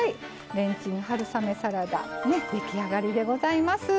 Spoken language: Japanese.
レンチン春雨サラダ出来上がりでございます。